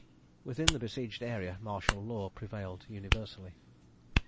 Within the besieged area martial law prevailed universally.